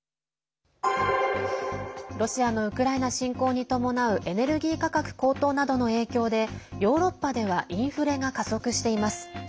ロシアのウクライナ侵攻に伴うエネルギー価格高騰などの影響でヨーロッパではインフレが加速しています。